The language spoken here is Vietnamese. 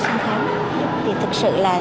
sinh khám thì thực sự là